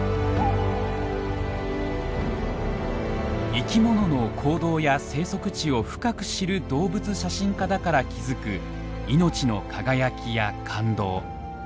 生きものの行動や生息地を深く知る動物写真家だから気付く命の輝きや感動。